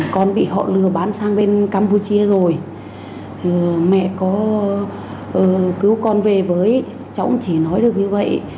con bị họ lừa bán sang bên campuchia rồi mẹ có cứu con về với cháu cũng chỉ nói được như vậy